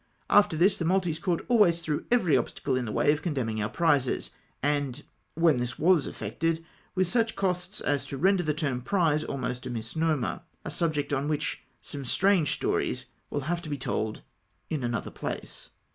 After tliis, the Maltese court always threw every obstacle in the way of condemning our prizes, and, when this was effected, with such costs as to render the term " prize " almost a misnomer ; a subject on which some strange stories will have to be told in another place.